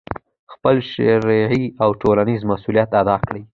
خپل شرعي او ټولنیز مسؤلیت ادا کړي،